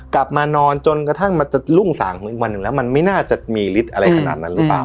กลับมานอนจนกระทั่งมันจะรุ่งสางอีกวันหนึ่งแล้วมันไม่น่าจะมีฤทธิ์อะไรขนาดนั้นหรือเปล่า